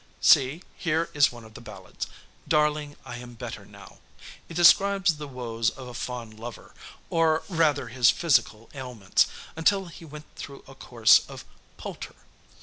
See, here is one of the ballads: 'Darling, I am better now.' It describes the woes of a fond lover, or rather his physical ailments, until he went through a course of Poulter.